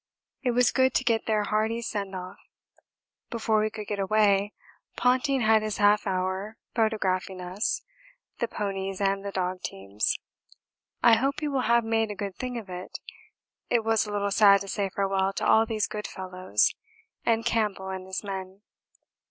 It was good to get their hearty send off. Before we could get away Ponting had his half hour photographing us, the ponies and the dog teams I hope he will have made a good thing of it. It was a little sad to say farewell to all these good fellows and Campbell and his men.